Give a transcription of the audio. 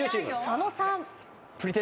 佐野さん。